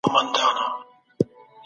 ځوان راته